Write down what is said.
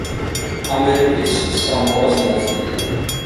ამერიკის სამოას ნაწილია.